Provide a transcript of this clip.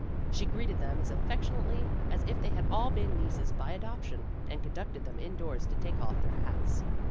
She greeted them as affectionately as if they had all been nieces by adoption, and conducted them indoors to take off their hats.